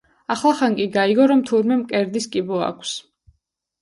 ახლახან კი გაიგო, რომ თურმე მკერდის კიბო აქვს.